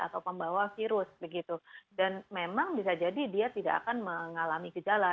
atau pembawa virus begitu dan memang bisa jadi dia tidak akan mengalami gejala